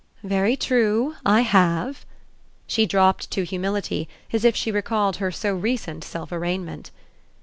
"Very true, I have." She dropped to humility, as if she recalled her so recent self arraignment.